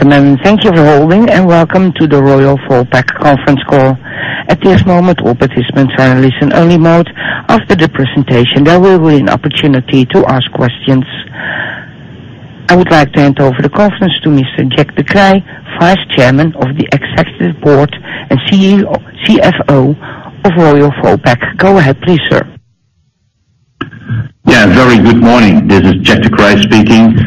Thank you for holding and welcome to the Royal Vopak conference call. At this moment, all participants are in listen-only mode. After the presentation, there will be an opportunity to ask questions. I would like to hand over the conference to Mr. Jack de Kreij, Vice Chairman of the Executive Board and CFO of Royal Vopak. Go ahead, please, sir. Yeah, very good morning. This is Jack de Kreij speaking.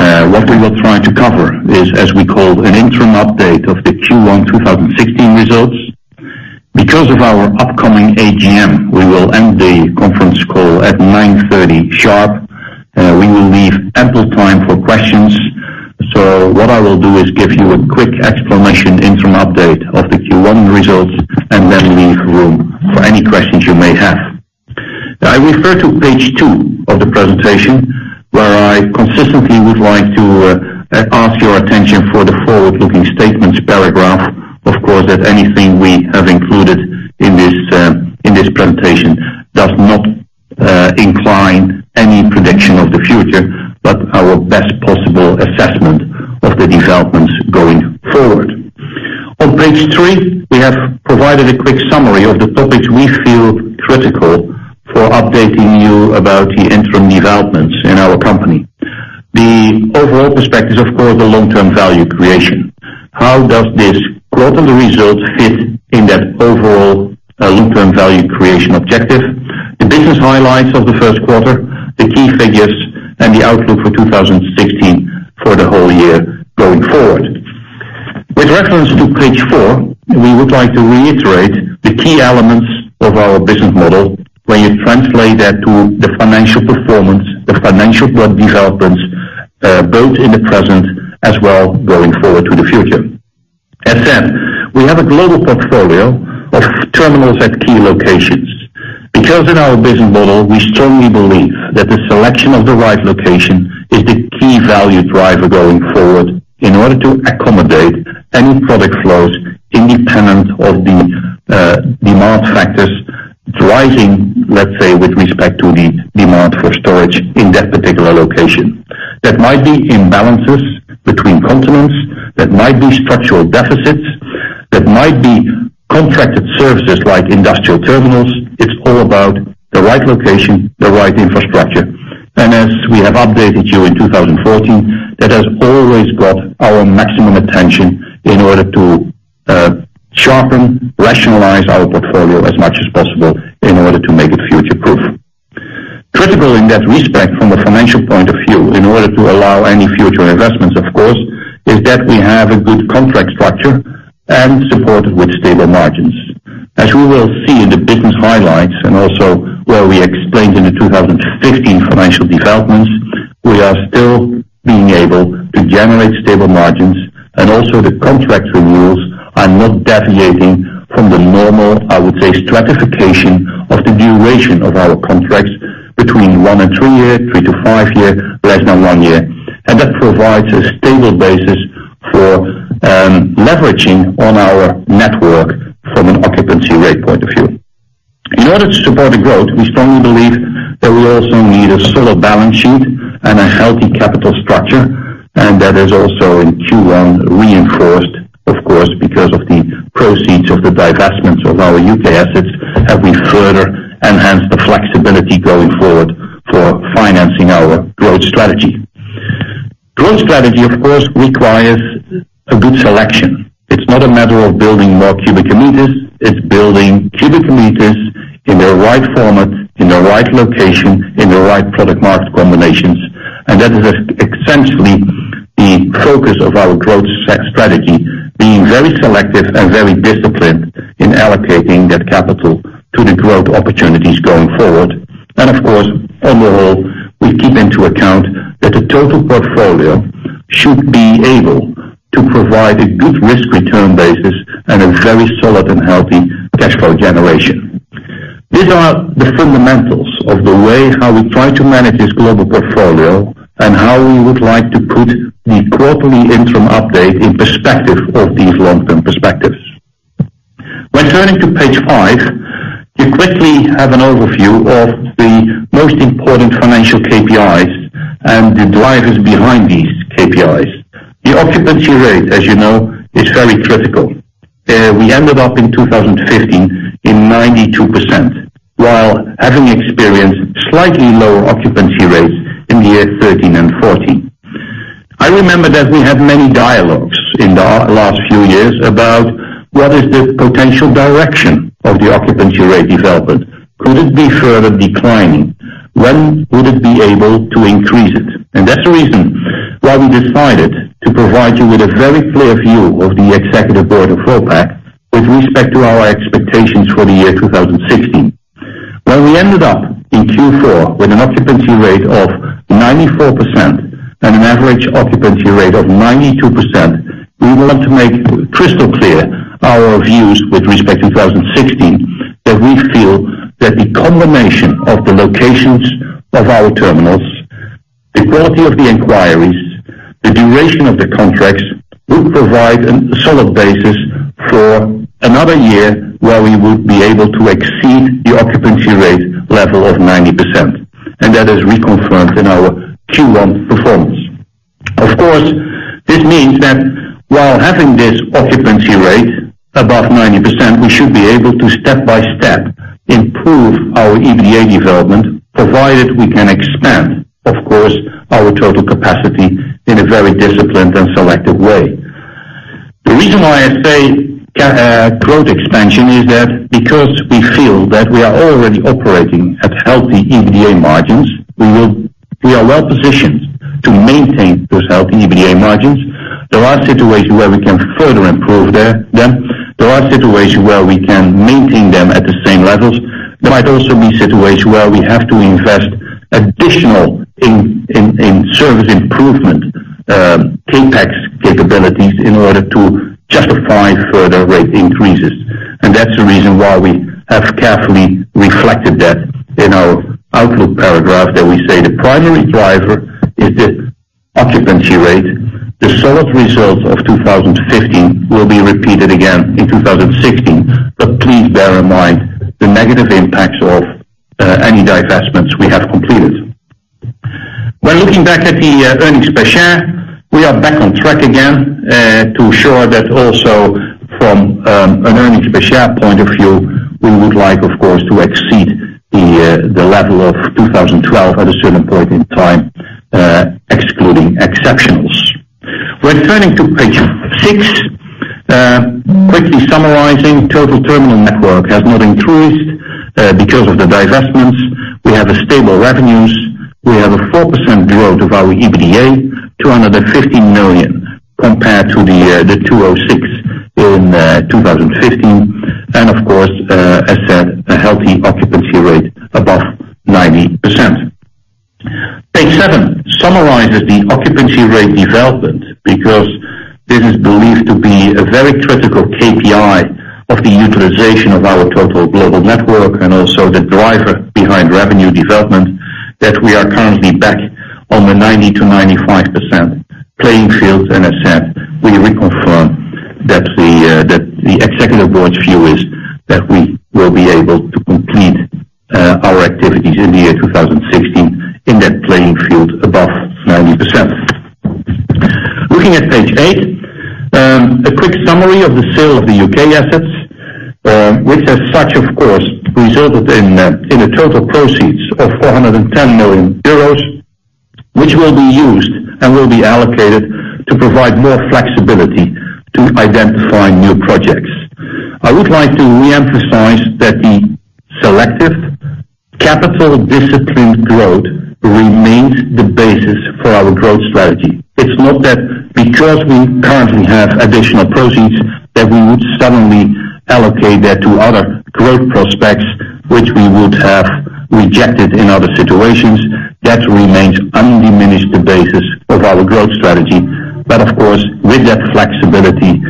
What we will try to cover is, as we call, an interim update of the Q1 2016 results. Because of our upcoming AGM, we will end the conference call at 9:30 sharp. We will leave ample time for questions. What I will do is give you a quick explanation, interim update of the Q1 results, and then leave room for any questions you may have. I refer to page two of the presentation, where I consistently would like to ask your attention for the forward-looking statements paragraph. Of course, anything we have included in this presentation does not incline any prediction of the future, but our best possible assessment of the developments going forward. On page three, we have provided a quick summary of the topics we feel critical for updating you about the interim developments in our company. The overall perspective, of course, the long-term value creation. How does this growth and the results fit in that overall long-term value creation objective? The business highlights of the first quarter, the key figures, and the outlook for 2016 for the whole year going forward. With reference to page four, we would like to reiterate the key elements of our business model, where you translate that to the financial performance, the financial product developments, both in the present as well going forward to the future. As said, we have a global portfolio of terminals at key locations. In our business model, we strongly believe that the selection of the right location is the key value driver going forward in order to accommodate any product flows independent of the demand factors driving, let's say, with respect to the demand for storage in that particular location. That might be imbalances between continents, that might be structural deficits, that might be contracted services like industrial terminals. It's all about the right location, the right infrastructure. As we have updated you in 2014, that has always got our maximum attention in order to sharpen, rationalize our portfolio as much as possible in order to make it future-proof. Critical in that respect from a financial point of view, in order to allow any future investments, of course, is that we have a good contract structure and supported with stable margins. As we will see in the business highlights and also where we explained in the 2015 financial developments, we are still being able to generate stable margins, and also the contract renewals are not deviating from the normal, I would say, stratification of the duration of our contracts between one and three year, three to five year, less than one year. That provides a stable basis for leveraging on our network from an occupancy rate point of view. In order to support the growth, we strongly believe that we also need a solid balance sheet and a healthy capital structure, and that is also in Q1 reinforced, of course, because of the proceeds of the divestments of our U.K. assets, have we further enhanced the flexibility going forward for financing our growth strategy. Growth strategy, of course, requires a good selection. It's not a matter of building more cubic meters. It's building cubic meters in the right format, in the right location, in the right product market combinations. That is essentially the focus of our growth strategy, being very selective and very disciplined in allocating that capital to the growth opportunities going forward. Of course, on the whole, we keep into account that the total portfolio should be able to provide a good risk-return basis and a very solid and healthy cash flow generation. These are the fundamentals of the way how we try to manage this global portfolio and how we would like to put the quarterly interim update in perspective of these long-term perspectives. When turning to page five, you quickly have an overview of the most important financial KPIs and the drivers behind these KPIs. The occupancy rate, as you know, is very critical. We ended up in 2015 in 92%, while having experienced slightly lower occupancy rates in the year '13 and '14. I remember that we had many dialogues in the last few years about what is the potential direction of the occupancy rate development. Could it be further declining? When would it be able to increase it? That's the reason why we decided to provide you with a very clear view of the executive board of Vopak with respect to our expectations for the year 2016. While we ended up in Q4 with an occupancy rate of 94% and an average occupancy rate of 92%, we want to make crystal clear our views with respect to 2016, that we feel that the combination of the locations of our terminals, the quality of the inquiries, the duration of the contracts will provide a solid basis for another year where we would be able to exceed the occupancy rate level of 90%. That is reconfirmed in our Q1 performance. Of course, this means that while having this occupancy rate above 90%, we should be able to step by step improve our EBITDA development, provided we can expand, of course, our total capacity in a very disciplined and selective way. The reason why I say growth expansion is that because we feel that we are already operating at healthy EBITDA margins, we are well positioned to maintain those healthy EBITDA margins. There are situations where we can further improve them. There are situations where we can maintain them at the same levels. There might also be situations where we have to invest additional in service improvement, CapEx capabilities in order to justify further rate increases. That's the reason why we have carefully reflected that in our outlook paragraph that we say the primary driver is the occupancy rate. The solid results of 2015 will be repeated again in 2016. Please bear in mind the negative impacts of any divestments we have completed. When looking back at the earnings per share, we are back on track again to show that also from an earnings per share point of view, we would like, of course, to exceed the level of 2012 at a certain point in time, excluding exceptionals. We're turning to page six. Quickly summarizing, total terminal network has not increased because of the divestments. We have stable revenues. We have a 4% growth of our EBITDA to 250 million compared to 206 million in 2015. Of course, as said, a healthy occupancy rate above 90%. Page seven summarizes the occupancy rate development because this is believed to be a very critical KPI of the utilization of our total global network and also the driver behind revenue development, that we are currently back on the 90%-95% playing field. I said we reconfirm that the Executive Board's view is that we will be able to complete our activities in the year 2016 in that playing field above 90%. Looking at page eight, a quick summary of the sale of the U.K. assets, which as such, of course, resulted in the total proceeds of 410 million euros, which will be used and will be allocated to provide more flexibility to identifying new projects. I would like to reemphasize that the selective capital discipline growth remains the basis for our growth strategy. It's not that because we currently have additional proceeds, that we would suddenly allocate that to other growth prospects, which we would have rejected in other situations. That remains undiminished the basis of our growth strategy. Of course, with that flexibility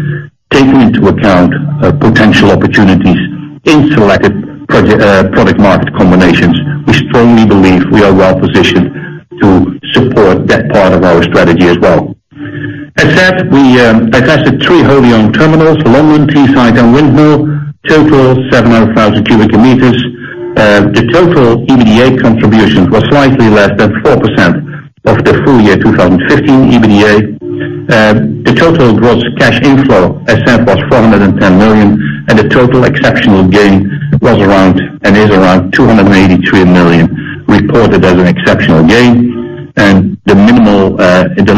taking into account potential opportunities in selected product market combinations, we strongly believe we are well positioned to support that part of our strategy as well. As said, we divested three wholly owned terminals, London, Teesside, and Windmill. Total 700,000 cubic meters. The total EBITDA contributions were slightly less than 4% of the full year 2015 EBITDA. The total gross cash inflow, as said, was 410 million. The total exceptional gain was around and is around 283 million, reported as an exceptional gain.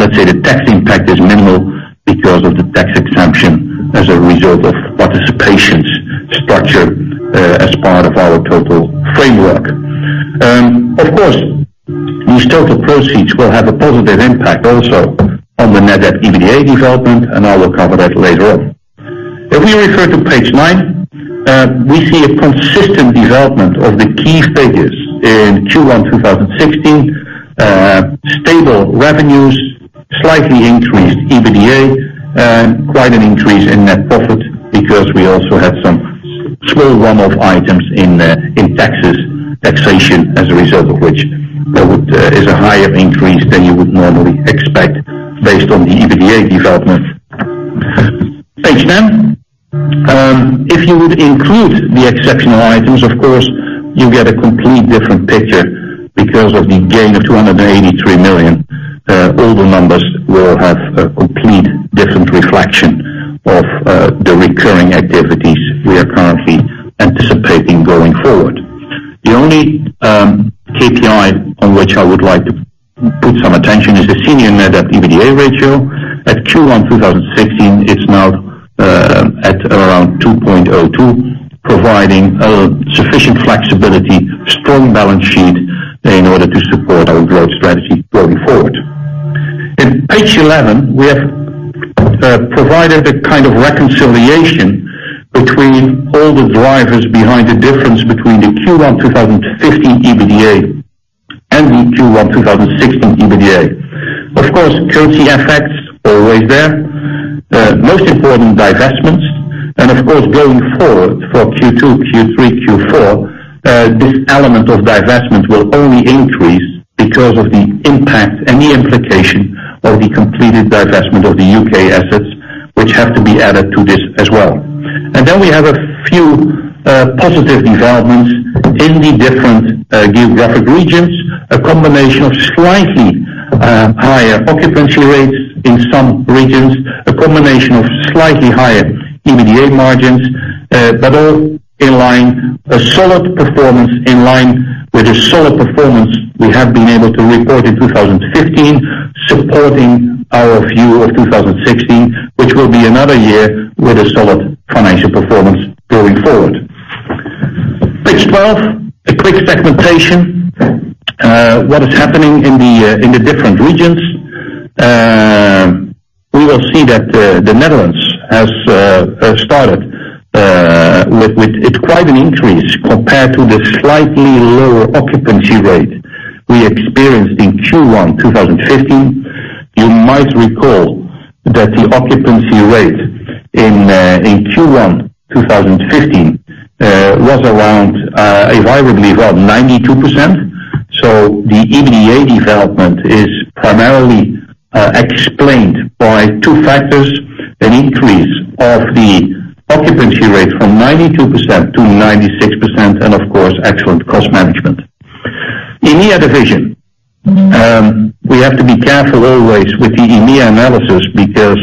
Let's say the tax impact is minimal because of the tax exemption as a result of participation structure as part of our total framework. These total proceeds will have a positive impact also on the net debt EBITDA development, I will cover that later on. If we refer to page 9, we see a consistent development of the key figures in Q1 2016. Stable revenues, slightly increased EBITDA, quite an increase in net profit because we also had some small one-off items in taxes, taxation, as a result of which there is a higher increase than you would normally expect based on the EBITDA development. Page 10. If you would include the exceptional items, you get a complete different picture because of the gain of EUR 283 million. All the numbers will have a complete different reflection of the recurring activities we are currently anticipating going forward. The only KPI on which I would like to put some attention is the senior net debt EBITDA ratio. At Q1 2016, it's now at around 2.02, providing a sufficient flexibility, strong balance sheet in order to support our growth strategy going forward. In page 11, we have provided a kind of reconciliation between all the drivers behind the difference between the Q1 2015 EBITDA and the Q1 2016 EBITDA. FX effects always there. Most important, divestments. Going forward for Q2, Q3, Q4, this element of divestments will only increase because of the impact and the implication of the completed divestment of the U.K. assets, which have to be added to this as well. We have a few positive developments in the different geographic regions. A combination of slightly higher occupancy rates in some regions, a combination of slightly higher EBITDA margins, but all in line. A solid performance in line with the solid performance we have been able to report in 2015, supporting our view of 2016, which will be another year with a solid financial performance going forward. Page 12, a quick segmentation. What is happening in the different regions. We will see that the Netherlands has started with quite an increase compared to the slightly lower occupancy rate we experienced in Q1 2015. You might recall that the occupancy rate in Q1 2015 was around a viably well 92%. The EBITDA development is primarily explained by two factors, an increase of the occupancy rate from 92% to 96%, excellent cost management. EMEA division. We have to be careful always with the EMEA analysis because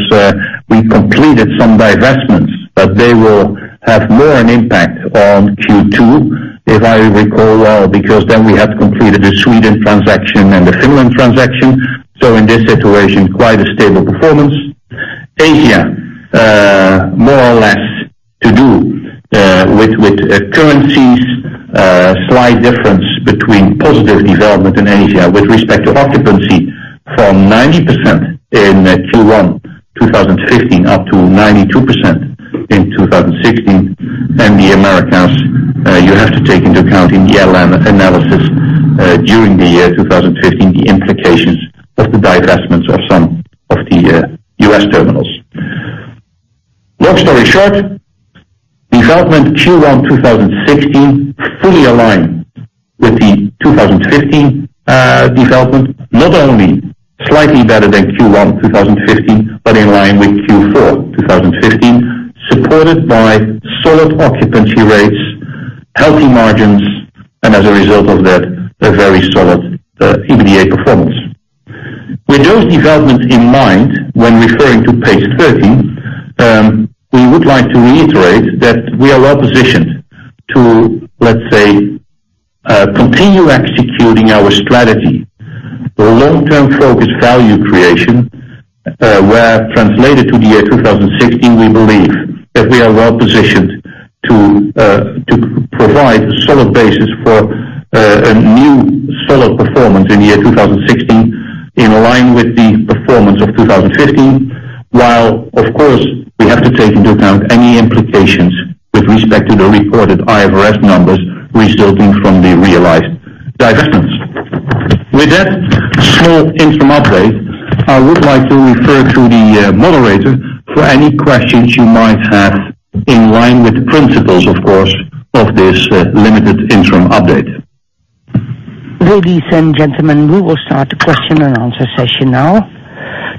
we completed some divestments, they will have more an impact on Q2, if I recall well, because then we have completed the Sweden transaction and the Finland transaction. In this situation, quite a stable performance. Asia, more or less to do with currencies, a slight difference between positive development in Asia with respect to occupancy from 90% in Q1 2015 up to 92% in 2016. The Americas, you have to take into account in the analysis, during the year 2015, the implications of the divestments of some of the U.S. terminals. Long story short, development Q1 2016 fully aligned with the 2015 development, not only slightly better than Q1 2015, but in line with Q4 2015, supported by solid occupancy rates, healthy margins, and as a result of that, a very solid EBITDA performance. With those developments in mind, when referring to page 13, we would like to reiterate that we are well-positioned to, let's say, continue executing our strategy for long-term focused value creation, where translated to the year 2016, we believe that we are well-positioned to provide solid basis for a new solid performance in the year 2016 in line with the performance of 2015. While, of course, we have to take into account any implications with respect to the reported IFRS numbers resulting from the realized divestments. With that small interim update, I would like to refer to the moderator for any questions you might have in line with the principles, of course, of this limited interim update. Ladies and gentlemen, we will start the question and answer session now.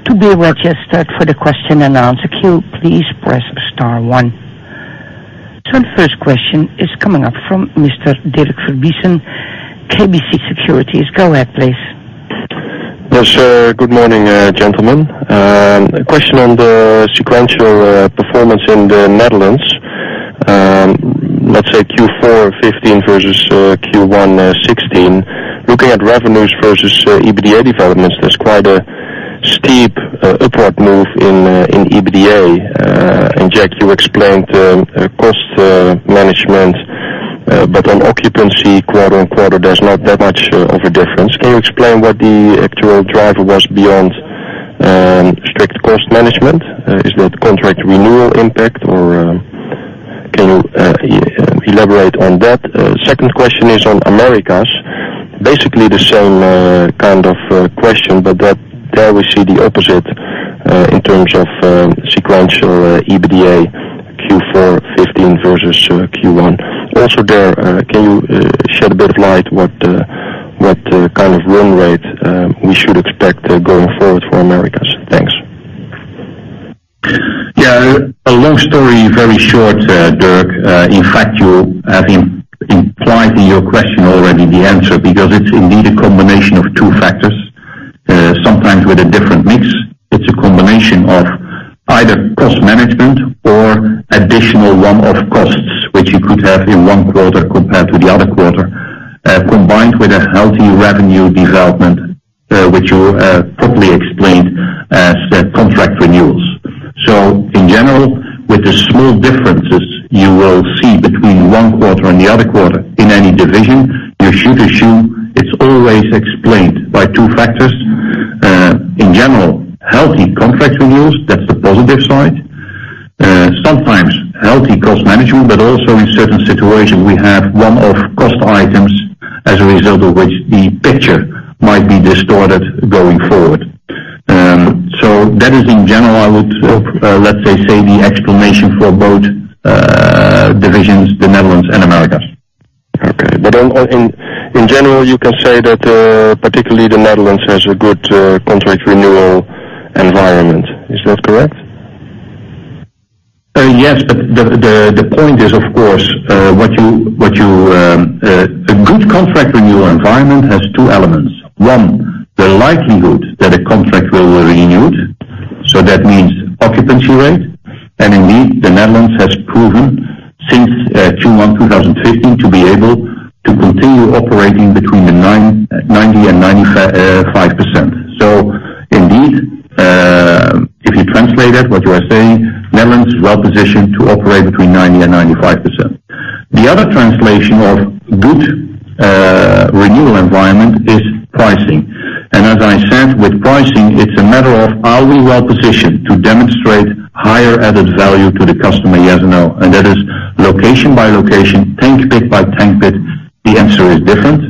To be registered for the question and answer queue, please press star one. The first question is coming up from Mr. Dirk Verbiesen, KBC Securities. Go ahead, please. Yes, sir. Good morning, gentlemen. Question on the sequential performance in the Netherlands. Let's say Q4 2015 versus Q1 2016. Looking at revenues versus EBITDA developments, there's quite a steep upward move in EBITDA. Jack, you explained the cost management. On occupancy quarter-on-quarter, there's not that much of a difference. Can you explain what the actual driver was beyond strict cost management? Is that contract renewal impact, or can you elaborate on that? Second question is on Americas. Basically the same kind of question, but there we see the opposite, in terms of sequential EBITDA Q4 2015 versus Q1. Also there, can you shed a bit of light what kind of run rate we should expect going forward for Americas? Thanks. Yeah. A long story very short, Dirk. In fact, you have implied in your question already the answer, because it's indeed a combination of two factors, sometimes with a different mix. It's a combination of either cost management or additional one-off costs, which you could have in one quarter compared to the other quarter, combined with a healthy revenue development, which you properly explained as contract renewals. In general, with the small differences you will see between one quarter and the other quarter in any division, you so to speak, it's always explained by two factors. In general, healthy contract renewals, that's the positive side. Sometimes healthy cost management, but also in certain situations, we have one-off cost items as a result of which the picture might be distorted going forward. That is in general, I would, let's say, the explanation for both divisions, the Netherlands and Americas. In general, you can say that particularly the Netherlands has a good contract renewal environment. Is that correct? Yes, the point is, of course, a good contract renewal environment has two elements. One, the likelihood that a contract will be renewed. That means occupancy rate. Indeed, the Netherlands has proven since Q1 2015 to be able to continue operating between 90% and 95%. Indeed, if you translate it, what you are saying, the Netherlands is well-positioned to operate between 90% and 95%. The other translation of good renewal environment is pricing. As I said, with pricing, it's a matter of are we well positioned to demonstrate higher added value to the customer? Yes or no. That is location by location, tank pit by tank pit, the answer is different,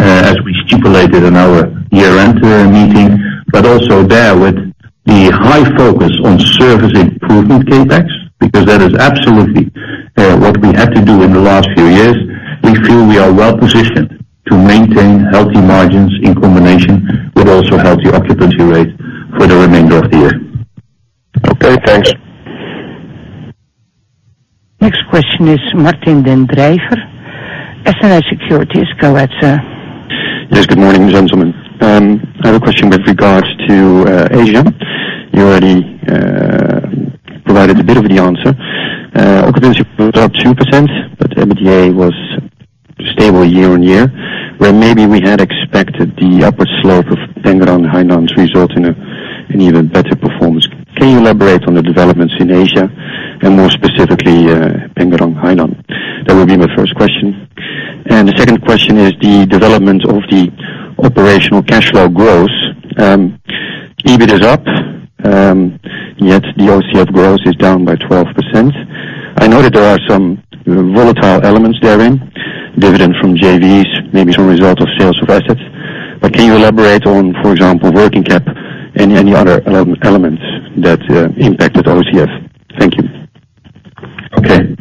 as we stipulated in our year-end meeting, but also there with the high focus on service improvement CapEx, because that is absolutely what we had to do in the last few years. We feel we are well positioned to maintain healthy margins in combination with also healthy occupancy rate for the remainder of the year. Okay, thanks. Next question is Martin den Drijver, SNS Securities. Go ahead, sir. Yes. Good morning, gentlemen. I have a question with regards to Asia. You already provided a bit of the answer. Occupancy was up 2%, but EBITDA was stable year-on-year, where maybe we had expected the upward slope of Pengerang, Hainan's result in an even better performance. Can you elaborate on the developments in Asia and more specifically, Pengerang, Hainan? That will be my first question. The second question is the development of the operational cash flow growth. EBIT is up, yet the OCF growth is down by 12%. I know that there are some volatile elements therein, dividend from JVs, maybe some result of sales of assets. Can you elaborate on, for example, working cap and any other elements that impacted OCF? Thank you. Okay.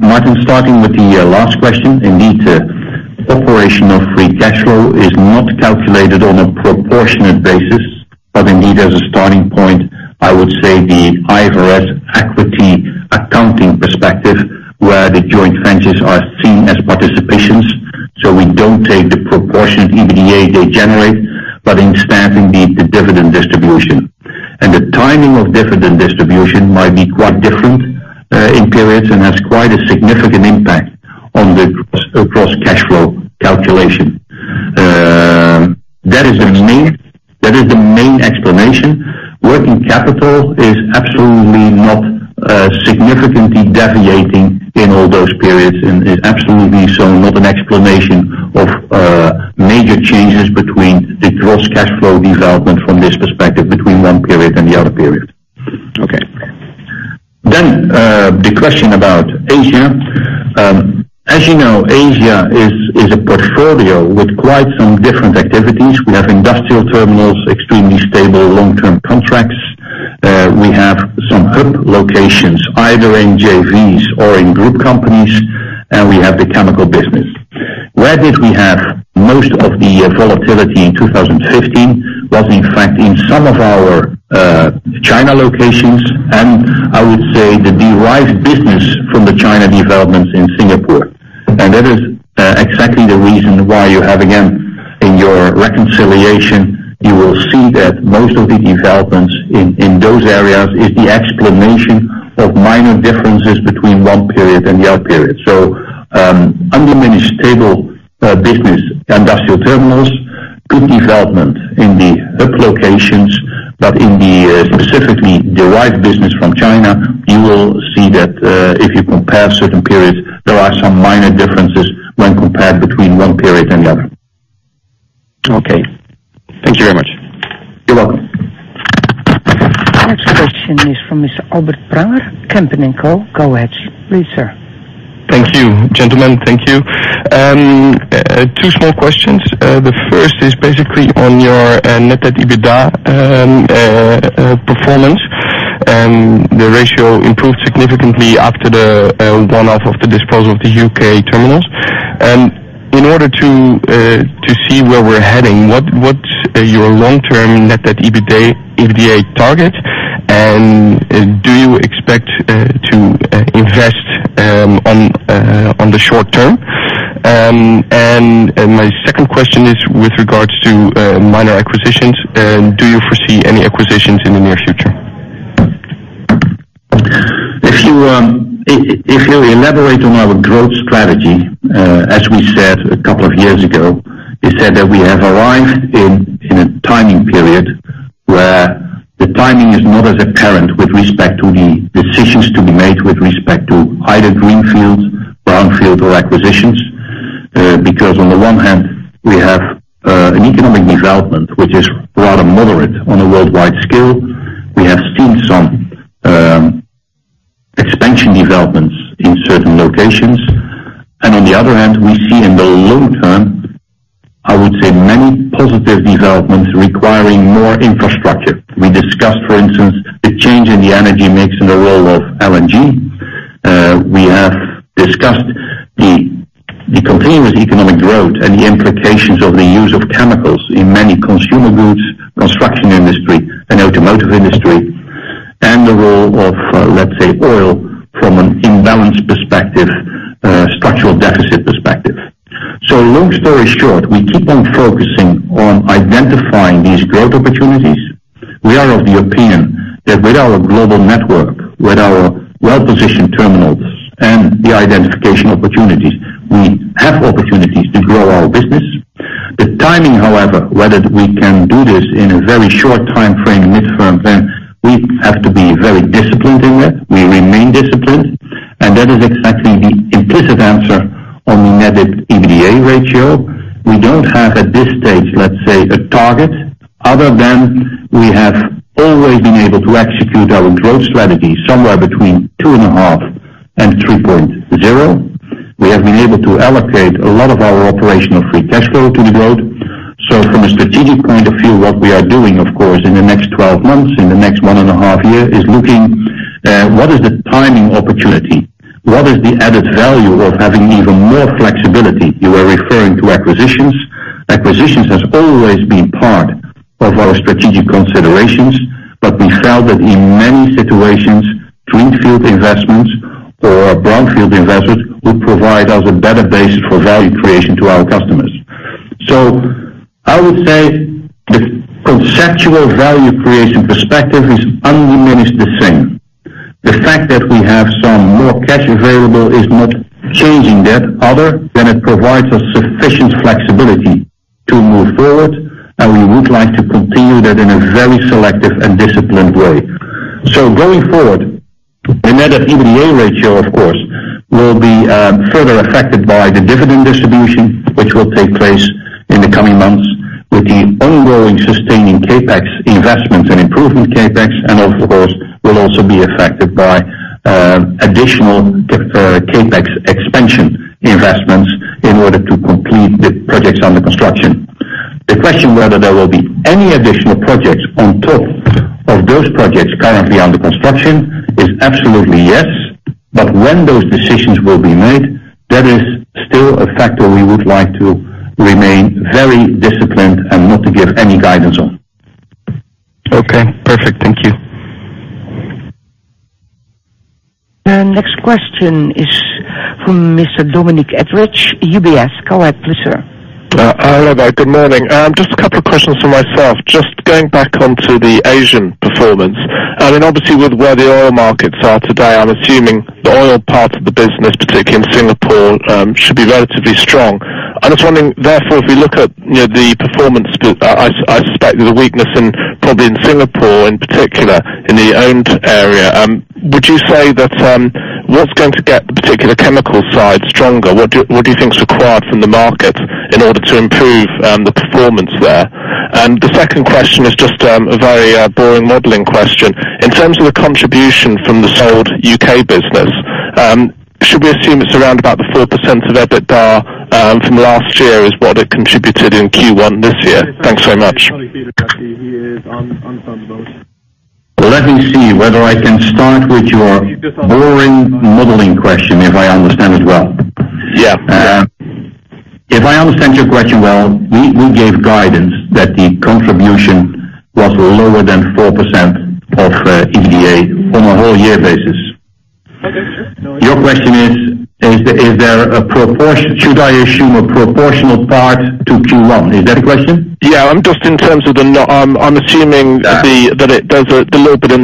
Martin, starting with the last question, indeed, operational free cash flow is not calculated on a proportionate basis, but indeed, as a starting point, I would say the IFRS equity accounting perspective, where the joint ventures are seen as participations. We don't take the proportion EBITDA they generate, but instead indeed the dividend distribution. The timing of dividend distribution might be quite different in periods and has quite a significant impact on the gross cash flow calculation. That is the main explanation. Working capital is absolutely not significantly deviating in all those periods and is absolutely so not an explanation of major changes between the gross cash flow development from this perspective between one period and the other period. Okay. The question about Asia. As you know, Asia is a portfolio with quite some different activities. We have industrial terminals, extremely stable long-term contracts. We have some hub locations, either in JVs or in group companies, and we have the chemical business. Where did we have most of the volatility in 2015 was in fact in some of our China locations, and I would say the derived business from the China developments in Singapore. That is exactly the reason why you have, again, in your reconciliation, you will see that most of the developments in those areas is the explanation of minor differences between one period and the other period. Under managed stable business, industrial terminals, good development in the hub locations, but in the specifically derived business from China, you will see that if you compare certain periods, there are some minor differences when compared between one period and the other. Okay. Thank you very much. You're welcome. Next question is from Mr. Albert Pranger, Kempen & Co. Go ahead. Please, sir. Thank you. Gentlemen, thank you. Two small questions. The first is basically on your net debt EBITDA performance. The ratio improved significantly after the one-off of the disposal of the U.K. terminals. In order to see where we're heading, what's your long-term net debt EBITDA target, and do you expect to invest on the short term? My second question is with regards to minor acquisitions. Do you foresee any acquisitions in the near future? If you elaborate on our growth strategy, as we said a couple of years ago, we said that we have arrived in a timing period where the timing is not as apparent with respect to the decisions to be made with respect to either greenfield, brownfield, or acquisitions. On the one hand, we have an economic development which is rather moderate on a worldwide scale. We have seen some expansion developments in certain locations. On the other hand, we see in the long term, I would say many positive developments requiring more infrastructure. We discussed, for instance, the change in the energy mix and the role of LNG. We have discussed the continuous economic growth and the implications of the use of chemicals in many consumer goods, construction industry, and automotive industry, and the role of, let's say, oil from an imbalance perspective, structural deficit perspective. Long story short, we keep on focusing on identifying these growth opportunities. We are of the opinion that with our global network, with our well-positioned terminals and the identification opportunities, we have opportunities to grow our business. The timing, however, whether we can do this in a very short timeframe, mid-term frame, we have to be very disciplined in that. We remain disciplined, that is exactly the implicit answer on the net EBITDA ratio. We don't have at this stage, let's say, a target other than we have always been able to execute our growth strategy somewhere between 2.5 and 3.0. We have been able to allocate a lot of our operational free cash flow to the growth. From a strategic point of view, what we are doing, of course, in the next 12 months, in the next 1.5 years, is looking, what is the timing opportunity? What is the added value of having even more flexibility? You were referring to acquisitions. Acquisitions has always been part of our strategic considerations, we felt that in many situations, greenfield investments or brownfield investments would provide us a better base for value creation to our customers. I would say the conceptual value creation perspective is undiminished the same. The fact that we have some more cash available is not changing that other than it provides us sufficient flexibility to move forward, we would like to continue that in a very selective and disciplined way. Going forward, the net EBITDA ratio, of course, will be further affected by the dividend distribution, which will take place in the coming months with the ongoing sustaining CapEx investments and improvement CapEx, and of course, will also be affected by additional CapEx expansion investments in order to complete the projects under construction. The question whether there will be any additional projects on top of those projects currently under construction is absolutely yes. When those decisions will be made, that is still a factor we would like to remain very disciplined and not to give any guidance on. Okay, perfect. Thank you. Next question is from Mr. Dominic Etheridge, UBS. Go ahead, please sir. Hello there. Good morning. Just a couple of questions from myself. Just going back onto the Asian performance, and obviously with where the oil markets are today, I'm assuming the oil part of the business, particularly in Singapore, should be relatively strong. I'm just wondering, therefore, if we look at the performance bit, I suspect there's a weakness probably in Singapore in particular in the owned area. Would you say that, what's going to get the particular chemical side stronger? What do you think is required from the market in order to improve the performance there? The second question is just a very boring modeling question. In terms of the contribution from the sold U.K. business, should we assume it's around about the 4% of EBITDA, from last year is what it contributed in Q1 this year? Thanks so much. Let me see whether I can start with your boring modeling question, if I understand it well. Yeah. If I understand your question well, we gave guidance that the contribution was lower than 4% of EBITDA on a whole year basis. Okay, sure. Your question is, should I assume a proportional part to Q1? Is that the question? Yeah. Just in terms of I'm assuming that it does a little bit in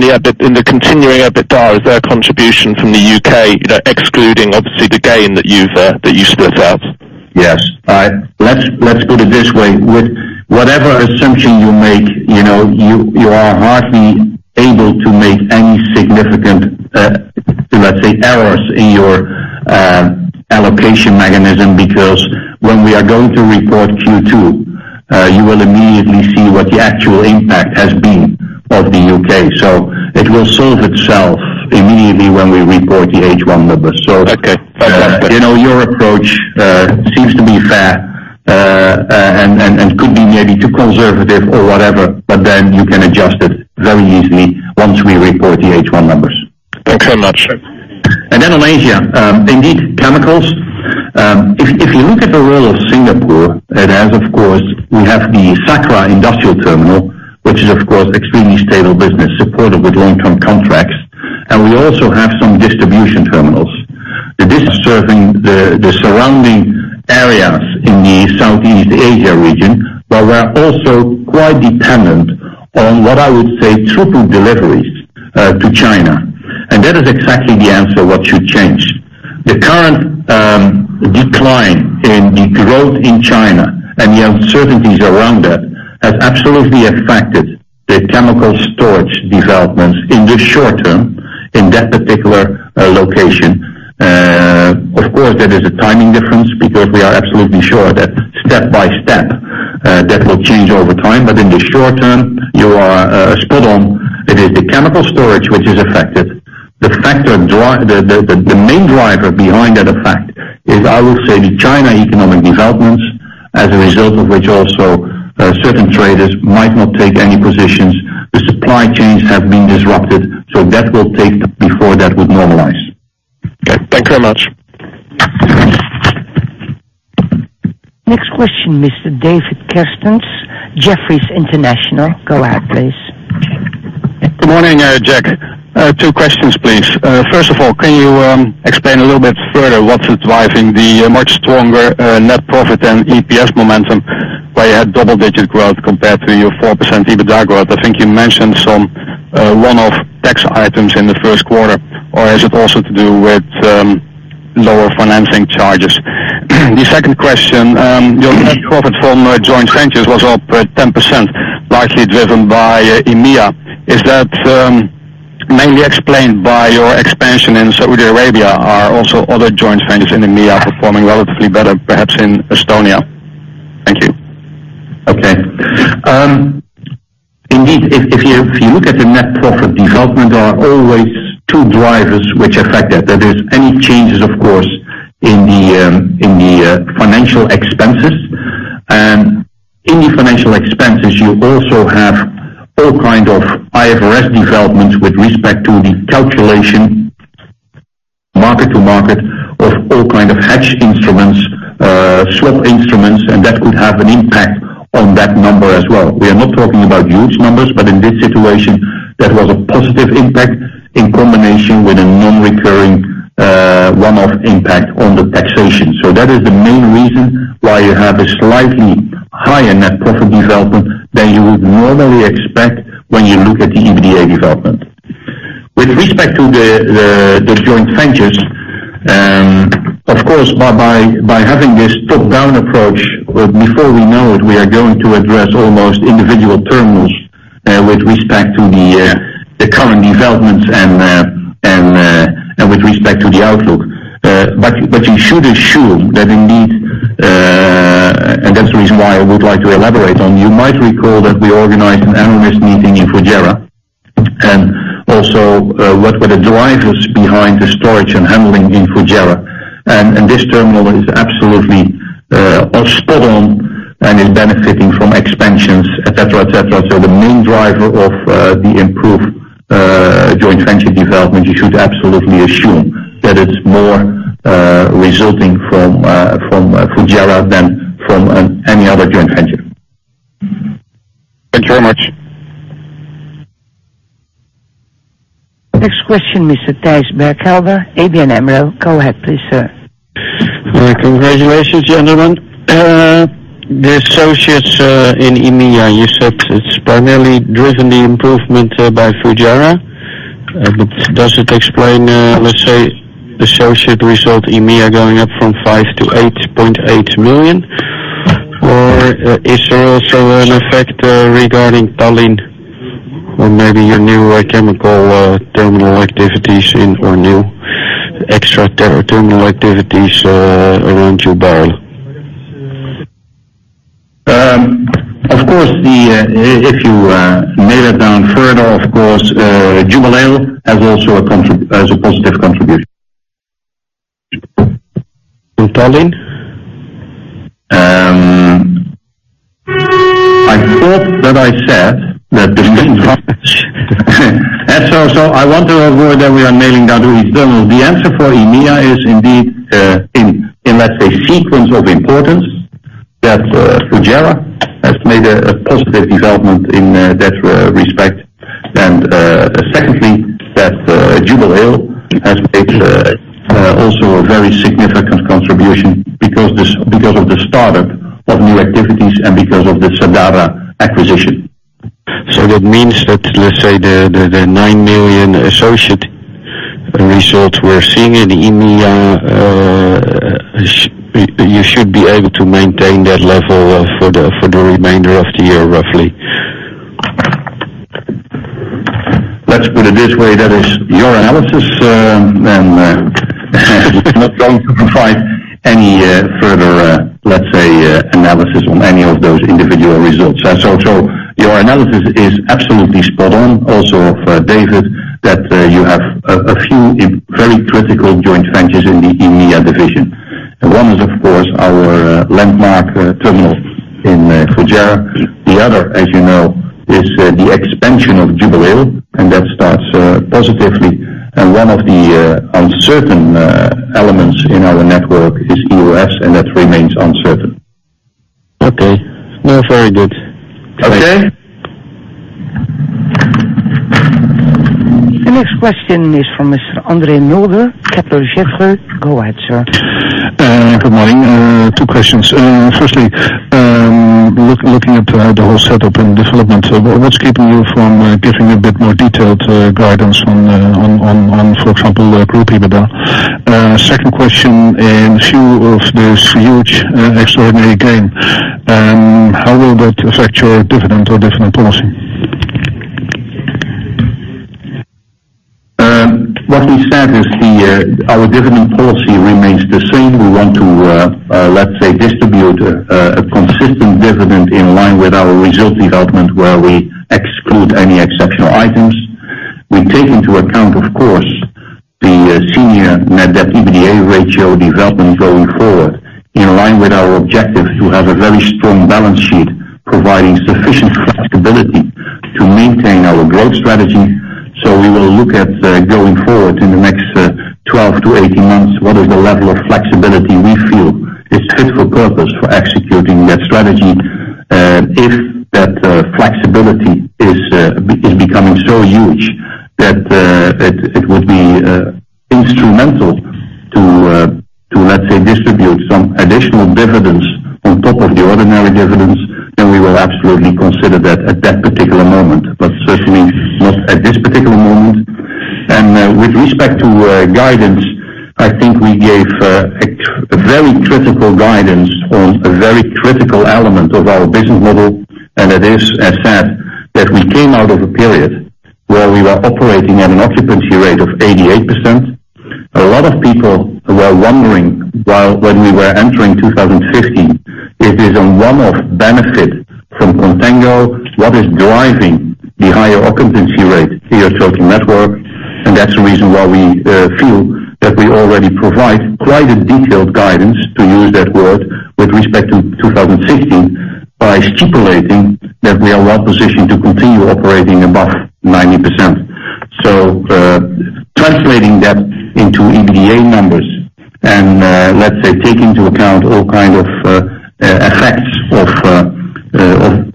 the continuing EBITDA. Is there a contribution from the U.K., excluding, obviously, the gain that you split out? Yes. Let's put it this way. With whatever assumption you make, you are hardly able to make any significant, let's say, errors in your allocation mechanism, because when we are going to report Q2, you will immediately see what the actual impact has been of the U.K. It will solve itself immediately when we report the H1 numbers. Okay. Fantastic. Your approach seems to be fair and could be maybe too conservative or whatever. You can adjust it very easily once we report the H1 numbers. Thanks so much. On Asia, indeed, chemicals. If you look at the role of Singapore, it has, of course, we have the Vopak Terminal Sakra, which is, of course, extremely stable business, supported with long-term contracts. We also have some distribution terminals. These are serving the surrounding areas in the Southeast Asia region, but we are also quite dependent on what I would say, throughput deliveries to China. That is exactly the answer, what should change. The current decline in the growth in China and the uncertainties around that has absolutely affected the chemical storage developments in the short term in that particular location. Of course, there is a timing difference because we are absolutely sure that step by step That will change over time, but in the short term, you are spot on. It is the chemical storage which is affected. The main driver behind that effect is, I will say, the China economic developments, as a result of which also certain traders might not take any positions. The supply chains have been disrupted. That will take before that would normalize. Okay. Thank you very much. Next question, Mr. David Kerstens, Jefferies International. Go ahead, please. Good morning, Jack. Two questions, please. First of all, can you explain a little bit further what's driving the much stronger net profit and EPS momentum, where you had double-digit growth compared to your 4% EBITDA growth? I think you mentioned some one-off tax items in the first quarter, or is it also to do with lower financing charges? The second question, your net profit from joint ventures was up 10%, largely driven by EMEA. Is that mainly explained by your expansion in Saudi Arabia, or are also other joint ventures in EMEA performing relatively better, perhaps in Estonia? Thank you. Okay. Indeed, if you look at the net profit development, there are always two drivers which affect that. There is any changes, of course, in the financial expenses. In the financial expenses, you also have all kind of IFRS developments with respect to the calculation, market to market of all kind of hedge instruments, swap instruments, that could have an impact on that number as well. We are not talking about huge numbers, but in this situation, that was a positive impact in combination with a non-recurring one-off impact on the taxation. That is the main reason why you have a slightly higher net profit development than you would normally expect when you look at the EBITDA development. With respect to the joint ventures, of course, by having this top-down approach, before we know it, we are going to address almost individual terminals with respect to the current developments and with respect to the outlook. You should assume that indeed, and that's the reason why I would like to elaborate on, you might recall that we organized an analyst meeting in Fujairah, and also what were the drivers behind the storage and handling in Fujairah. This terminal is absolutely spot on and is benefiting from expansions, et cetera. The main driver of the improved joint venture development, you should absolutely assume that it's more resulting from Fujairah than from any other joint venture. Thank you very much. Next question, Mr. Thijs Berkelder, ABN AMRO. Go ahead please, sir. Congratulations, gentlemen. The associates in EMEA, you said it's primarily driven the improvement by Fujairah. Does it explain, let's say, associate result EMEA going up from 5 to 8.8 million? Is there also an effect regarding Tallinn or maybe your new chemical terminal activities or new extra terminal activities around Jubail? If you nail it down further, of course, Jubail has also a positive contribution. In Tallinn? I thought that I said that. I want to avoid that we are nailing down to each terminal. The answer for EMEA is indeed, in let's say, sequence of importance, that Fujairah has made a positive development in that respect. Secondly, that Jubail has made also a very significant contribution because of the startup of new activities and because of the Sadara acquisition. That means that, let's say the 9 million associate results we're seeing in EMEA, you should be able to maintain that level for the remainder of the year, roughly. Let's put it this way, that is your analysis. I'm not going to provide any further, let's say, analysis on any of those individual results. Your analysis is absolutely spot on, also of David, that you have a few very critical joint ventures in the EMEA division. One is, of course, our landmark terminal in Fujairah. The other, as you know, is the expansion of Jubail, and that starts positively. One of the uncertain elements in our network is E.O.S., and that remains uncertain. Okay. No, very good. Okay. The next question is from Mr. Andre Mulder, Kepler Cheuvreux. Go ahead, sir. Good morning. Two questions. Firstly, looking at the whole setup and development, what is keeping you from giving a bit more detailed guidance on, for example, group EBITDA? Second question, in view of this huge extraordinary gain, how will that affect your dividend or dividend policy? What we said is our dividend policy remains the same. We want to distribute a consistent dividend in line with our result development where we exclude any exceptional items. We take into account, of course, the senior net debt EBITDA ratio development going forward in line with our objectives to have a very strong balance sheet providing sufficient flexibility to maintain our growth strategy. We will look at going forward in the next 12 to 18 months, what is the level of flexibility we feel is fit for purpose for executing that strategy. If that flexibility is becoming so huge that it would be instrumental to let's say, distribute some additional dividends on top of the ordinary dividends, then we will absolutely consider that at that particular moment, but certainly not at this particular moment. With respect to guidance, I think we gave a very critical guidance on a very critical element of our business model. It is as said that we came out of a period where we were operating at an occupancy rate of 88%. A lot of people were wondering when we were entering 2016, it is a one-off benefit from Contango, what is driving the higher occupancy rate here at total network. That's the reason why we feel that we already provide quite a detailed guidance, to use that word, with respect to 2016, by stipulating that we are well-positioned to continue operating above 90%. Translating that into EBITDA numbers and let's say, take into account all kind of effects of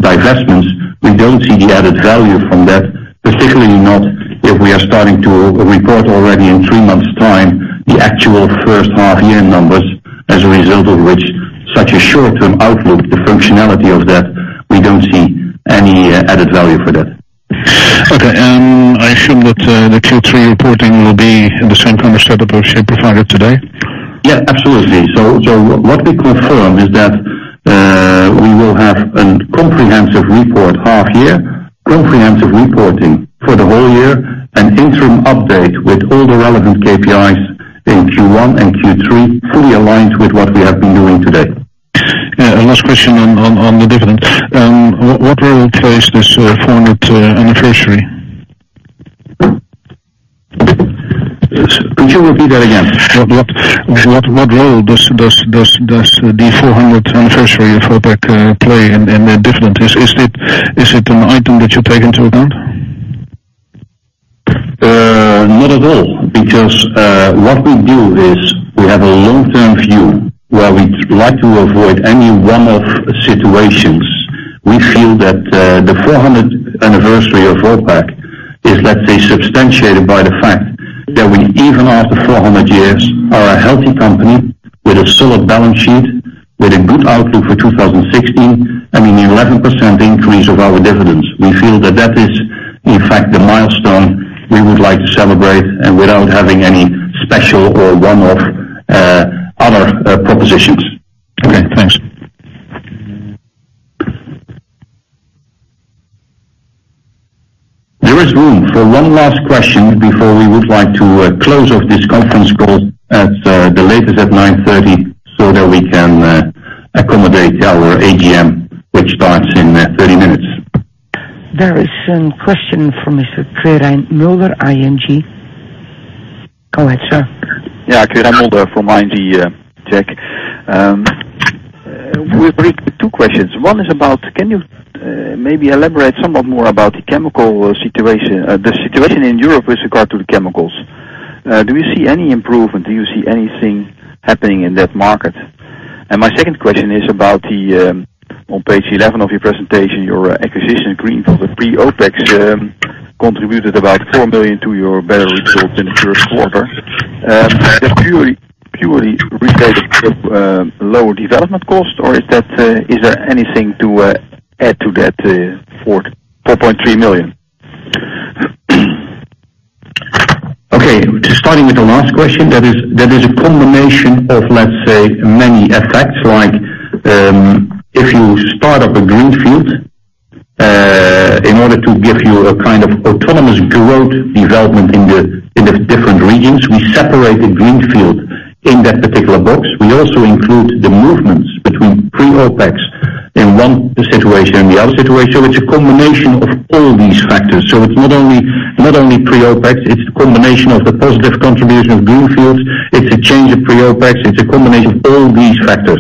divestments, we don't see the added value from that, particularly not if we are starting to report already in three months time the actual first half year numbers as a result of which such a short-term outlook, the functionality of that, we don't see any added value for that. Okay. I assume that the Q3 reporting will be at the same kind of setup as you provided today? Yeah, absolutely. What we confirm is that we will have a comprehensive report half year, comprehensive reporting for the whole year, an interim update with all the relevant KPIs in Q1 and Q3, fully aligned with what we have been doing today. Yeah. Last question on the dividend. What role plays this 400 anniversary? Could you repeat that again? What role does the 400 anniversary of Vopak play in the dividend? Is it an item that you take into account? Not at all. What we do is we have a long-term view where we like to avoid any one-off situations. We feel that the 400 anniversary of Vopak is, let's say, substantiated by the fact that we, even after 400 years, are a healthy company with a solid balance sheet, with a good outlook for 2016, and with an 11% increase of our dividends. We feel that is in fact the milestone we would like to celebrate and without having any special or one-off other propositions. Okay, thanks. There is room for one last question before we would like to close off this conference call at the latest at 9:30 so that we can accommodate our AGM, which starts in 30 minutes. There is a question from Mr. Quirijn Mulder, ING. Go ahead, sir. Yeah, Quirijn Mulder from ING. Jack. We have two questions. One is about, can you maybe elaborate somewhat more about the situation in Europe with regard to the chemicals? Do you see any improvement? Do you see anything happening in that market? My second question is about the, on page 11 of your presentation, your acquisition greenfield, the pre-OPEX, contributed about 4 million to your better results in the first quarter. Is that purely related to lower development cost, or is there anything to add to that EUR 4.3 million? Okay. Starting with the last question, that is a combination of let's say many effects like if you start up a greenfield, in order to give you a kind of autonomous growth development in the different regions, we separate the greenfield in that particular box. We also include the movements between pre-OPEX in one situation and the other situation. It's a combination of all these factors. It's not only pre-OPEX, it's a combination of the positive contribution of greenfields, it's a change of pre-OPEX, it's a combination of all these factors.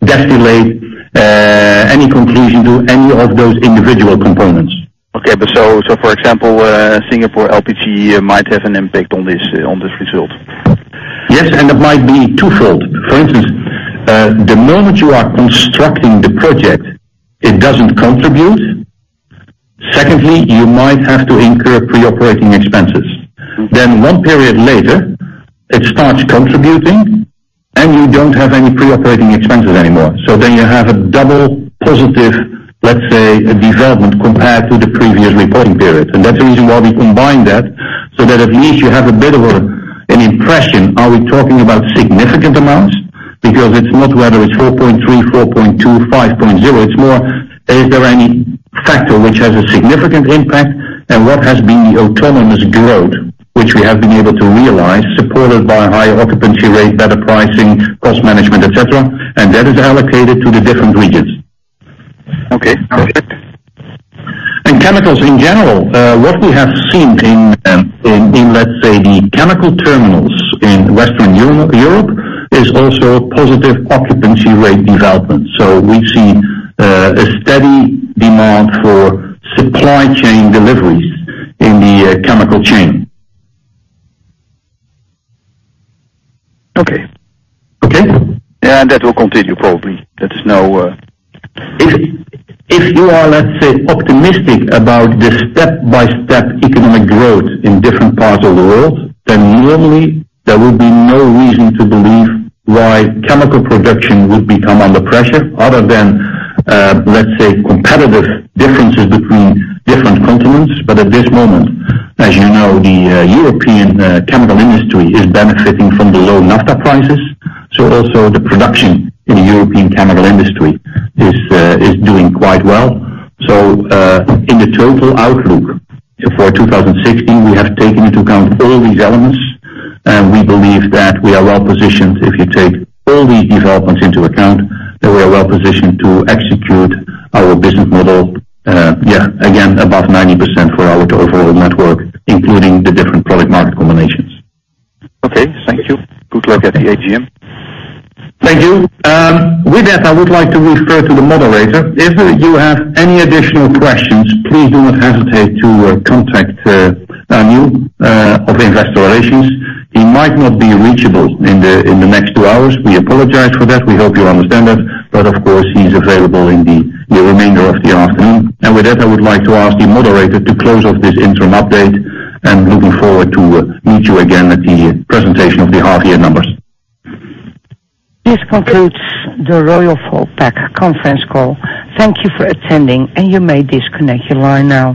You cannot isolate any conclusion to any of those individual components. Okay. For example, Singapore LPG might have an impact on this result? Yes, it might be twofold. For instance, the moment you are constructing the project, it doesn't contribute. Secondly, you might have to incur pre-operating expenses. One period later, it starts contributing, and you don't have any pre-operating expenses anymore. You have a double positive, let's say, development compared to the previous reporting periods. That's the reason why we combine that, so that at least you have a bit of an impression. Are we talking about significant amounts? Because it's not whether it's 4.3, 4.2, 5.0. It's more, is there any factor which has a significant impact and what has been the autonomous growth, which we have been able to realize, supported by higher occupancy rate, better pricing, cost management, et cetera, and that is allocated to the different regions. Okay, perfect. In chemicals in general, what we have seen in, let's say, the chemical terminals in Western Europe, is also positive occupancy rate development. We've seen a steady demand for supply chain deliveries in the chemical chain. Okay. Okay? Yeah. That will continue probably. If you are, let's say, optimistic about the step-by-step economic growth in different parts of the world, then normally there would be no reason to believe why chemical production would become under pressure other than, let's say, competitive differences between different continents. At this moment, as you know, the European chemical industry is benefiting from the low naphtha prices. Also the production in the European chemical industry is doing quite well. In the total outlook for 2016, we have taken into account all these elements, and we believe that we are well-positioned if you take all these developments into account, that we are well-positioned to execute our business model, again, above 90% for our overall network, including the different product market combinations. Okay, thank you. Good luck at the AGM. Thank you. With that, I would like to refer to the moderator. If you have any additional questions, please do not hesitate to contact Anu of investor relations. He might not be reachable in the next two hours. We apologize for that. We hope you understand that. Of course, he's available in the remainder of the afternoon. With that, I would like to ask the moderator to close off this interim update. Looking forward to meet you again at the presentation of the half-year numbers. This concludes the Royal Vopak conference call. Thank you for attending, and you may disconnect your line now.